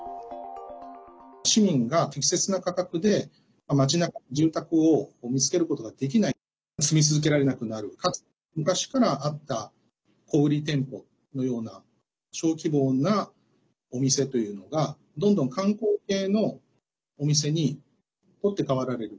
市民が適切な価格でまちなかで住宅を見つけることができない住み続けられなくなるかつ昔からあった小売り店舗のような小規模なお店というのがどんどん観光系のお店に取って代わられる。